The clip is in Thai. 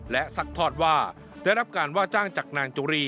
และซักทอดว่าได้รับการว่าจ้างจากนางจุรี